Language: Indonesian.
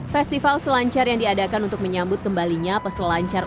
festival selancar yang diadakan untuk menyambut kembalinya peselancar